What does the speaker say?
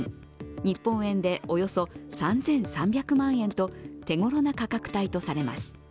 日本円でおよそ３３００万円と手ごろな価格帯とされます。